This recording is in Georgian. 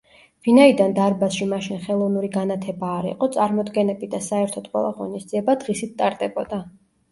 ვინაიდან დარბაზში მაშინ ხელოვნური განათება არ იყო, წარმოდგენები და საერთოდ ყველა ღონისძიება, დღისით ტარდებოდა.